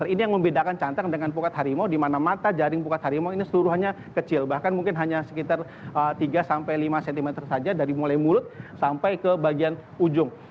ini yang membedakan cantang dengan pukat harimau di mana mata jaring pukat harimau ini seluruhannya kecil bahkan mungkin hanya sekitar tiga sampai lima cm saja dari mulai mulut sampai ke bagian ujung